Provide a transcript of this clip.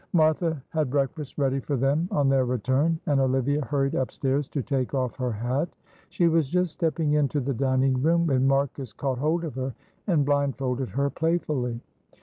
Martha had breakfast ready for them on their return, and Olivia hurried upstairs to take off her hat. She was just stepping into the dining room, when Marcus caught hold of her, and blindfolded her playfully.